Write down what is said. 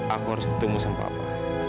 aku harus ketemu sama papa